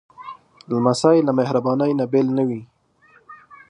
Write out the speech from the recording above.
لمسی له مهربانۍ نه بېل نه وي.